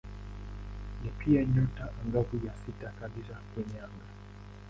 Ni pia nyota angavu ya sita kabisa kwenye anga.